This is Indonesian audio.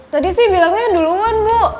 tadi sih bilangnya duluan bu